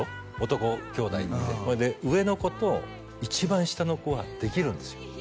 男兄弟ってほいで上の子と一番下の子はできるんですよ